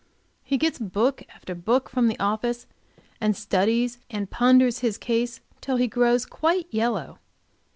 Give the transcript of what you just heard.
He gets book after book from the office and studies and ponders his case till he grows quite yellow.